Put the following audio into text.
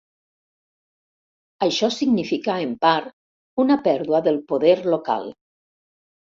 Això significà en part una pèrdua del poder local.